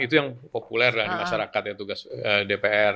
itu yang populer lah di masyarakat ya tugas dpr